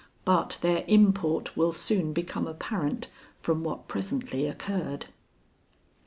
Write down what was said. But their import will soon become apparent from what presently occurred.